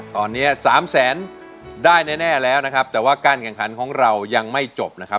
ตอนนี้สามแสนได้แน่แล้วนะครับแต่ว่าการแข่งขันของเรายังไม่จบนะครับ